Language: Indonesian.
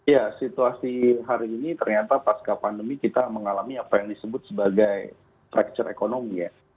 ya situasi hari ini ternyata pasca pandemi kita mengalami apa yang disebut sebagai strecture ekonomi ya